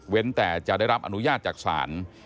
เว้นแต่จะได้รับอนุญาตจากสาร